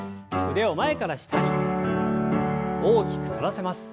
腕を前から下に大きく反らせます。